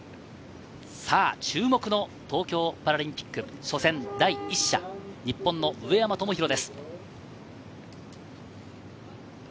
注目の東京パラリンピック初戦、第１射、日本の上山友裕です。